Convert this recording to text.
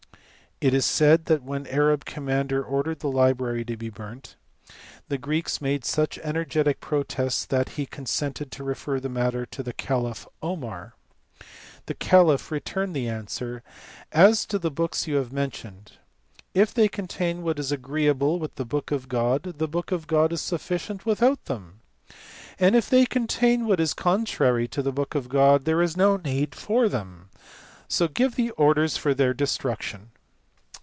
It is said that, when the Arab commander ordered the library to be burnt, the Greeks made such energetic protests that he consented to refer the matter to the caliph Omar. The caliph returned the answer, " as to the books you have mentioned, if they contain what is agreeable with the book of God, the book of God is sufficient without them ; and, if they contain what is contrary to the book of God, there is no need for them; so give orders for their destruction."